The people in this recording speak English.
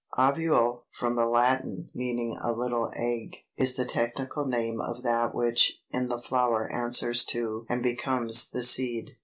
317. =Ovule= (from the Latin, meaning a little egg) is the technical name of that which in the flower answers to and becomes the seed.